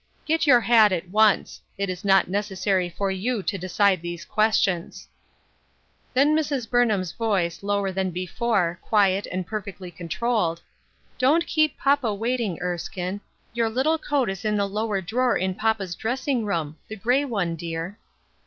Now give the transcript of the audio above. " Get your hat at once ; it is not necessary for you to decide these questions." Then Mrs. Burnham's voice, lower than before, quiet, and perfectly controlled, " Don't keep papa waiting, Erskine ; your little coat is in the lower drawer in papa's dressing room — the gray one, dear."